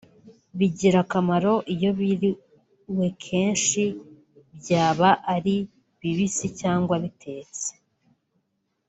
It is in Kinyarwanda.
bigira akamaro iyo biriwe kenshi byaba ari bibisi cyangwa bitetse